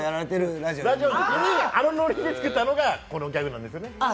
ラジオのときに、あのノリで作ったのがこの服なんです。